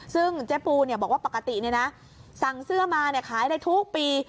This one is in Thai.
ซึ่งเจ๊ปูบอกว่าปกติสั่งเสื้อมาขายได้ทุกปี